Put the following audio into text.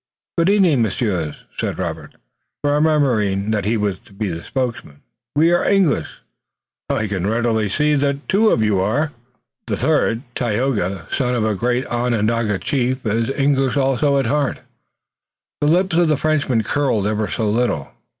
"Good evening, Messieurs," said Robert, remembering that he was to be spokesman. "We are English." "I can see readily that two of you are." "The third, Tayoga, the son of a great Onondaga chief, is English also at heart." The lips of the Frenchman curled ever so little.